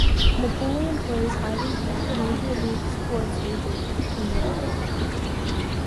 Napoleon plays Ivan Hall’s major league sports agent in the film.